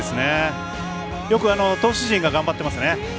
よく、投手陣が頑張っていますね。